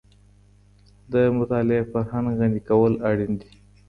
د مطالعې فرهنګ غني کول اړین دي.